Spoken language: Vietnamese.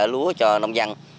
lúa cho nông dân